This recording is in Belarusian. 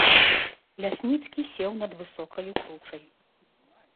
Лясніцкі сеў над высокаю кручай.